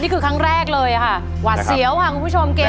นี่คือครั้งแรกเลยค่ะหวัดเสียวของคุณผู้ชมเกมนี้